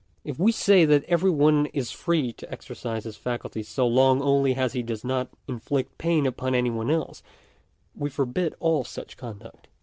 If we say that every one is free to exer cise his faculties so long only as he does not inflict pain upon any one else, we forbid all such conduct.